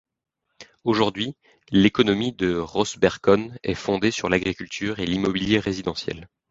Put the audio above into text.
Aujourd'hui l'économie de Rosbercon est fondée sur l’agriculture et l'immobilier résidentiel.